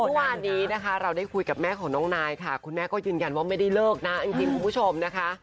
เมื่อวานนี้นะคะเราได้คุยกับแม่ของน้องนายค่ะคุณแม่ก็ยืนยันว่าไม่ได้เลิกนะจริงคุณผู้ชมนะคะ